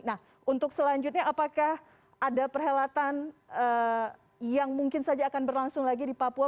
nah untuk selanjutnya apakah ada perhelatan yang mungkin saja akan berlangsung lagi di papua